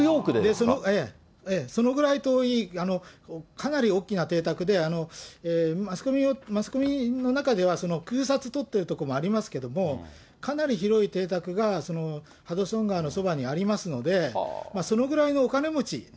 ええ、そのぐらい遠い、かなり大きな邸宅で、マスコミの中では、空撮撮ってるところもありますけど、かなり広い邸宅がハドソン川のそばにありますので、そのぐらいのお金持ち。